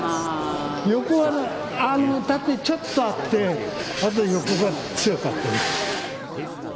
横はね、縦ちょっとあって、あと横が強かったです。